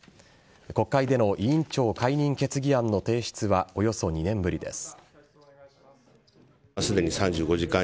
国会での委員長解任決議案の提出はおよそ２年ぶりです。